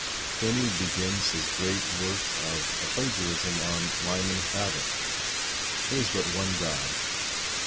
Pliny begins his great work with a plagiarism on Lyman Abbott, "There is but one God."